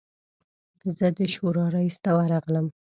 زه د شورا رییس ته ورغلم.